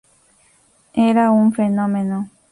Era un fenómeno.